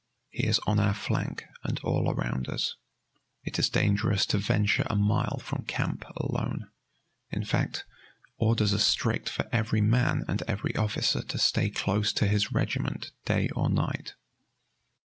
He is on our flank and all around us. It is dangerous to venture a mile from camp alone. In fact, orders are strict for every man and every officer to stay close to his regiment day or night.